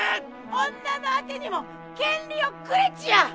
女のあてにも権利をくれちゃ！